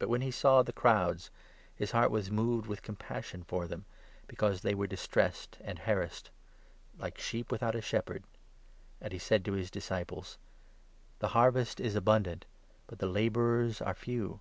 But, when he saw the crowds, his heart was moved with com 36 passion for them, because they were distressed and harassed, ' like sheep without a shepherd '; and he said to his disciples : 37 "The harvest is abundant, but the labourers are few.